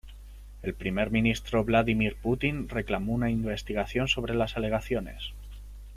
El primer ministro Vladímir Putin reclamó una investigación sobre las alegaciones.